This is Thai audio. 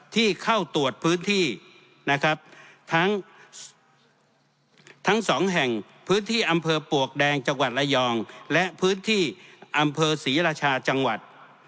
ที่เข้าตรวจพื้นที่นะครับทั้งสองแห่งพื้นที่อำเภอปลวกแดงจังหวัดระยองและพื้นที่อำเภอศรีราชาจังหวัด